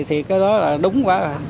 thì cái đó là đúng quá